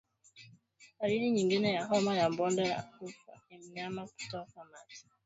Dalili nyingine ya homa ya bonde la ufa ni mnyama kutokwa mate